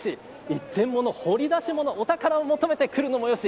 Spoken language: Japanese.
一点物、掘り出し物お宝を求めてくるのもよし。